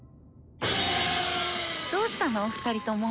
どうしたの二人とも。